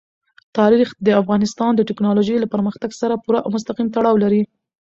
تاریخ د افغانستان د تکنالوژۍ له پرمختګ سره پوره او مستقیم تړاو لري.